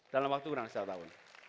dalam waktu kurang satu tahun